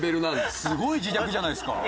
すごい自虐じゃないですか。